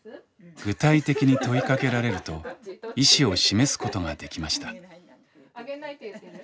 具体的に問いかけられると意思を示すことができました。